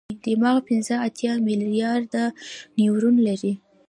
دماغ پنځه اتیا ملیارده نیورون لري.